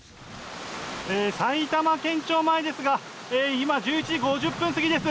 「埼玉県庁前ですが今１１時５０分過ぎです。